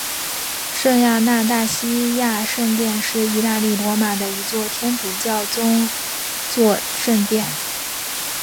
圣亚纳大西亚圣殿是意大利罗马的一座天主教宗座圣殿。